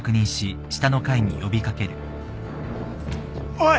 おい。